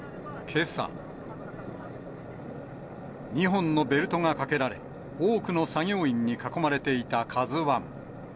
２本のベルトがかけられ、多くの作業員に囲まれていたＫＡＺＵＩ。